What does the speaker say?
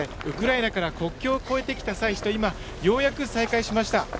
ウクライナから国境を越えてきた妻子と今ようやく再会しました。